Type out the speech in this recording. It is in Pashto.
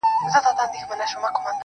زړه تا دا كيسه شــــــــــروع كــړه.